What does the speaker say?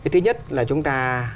thứ nhất là chúng ta